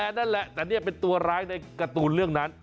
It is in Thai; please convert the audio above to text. นั่นแหละแต่นี่เป็นตัวร้ายในการ์ตูนเรื่องนั้น